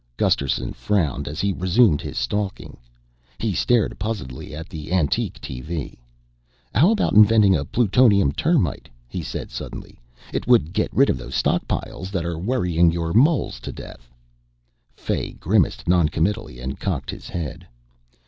Gusterson frowned as he resumed his stalking. He stared puzzledly at the antique TV. "How about inventing a plutonium termite?" he said suddenly. "It would get rid of those stockpiles that are worrying you moles to death." Fay grimaced noncommittally and cocked his head.